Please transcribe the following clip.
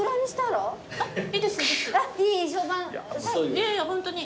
いやいやホントに。